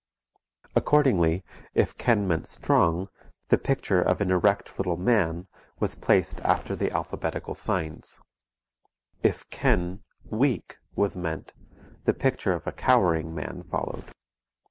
Accordingly, if ken meant strong, the picture of an erect little man was placed after the alphabetical signs, if ken, weak, was meant, the picture of a cowering man followed.